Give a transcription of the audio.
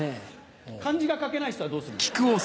漢字が書けない人はどうするんですか？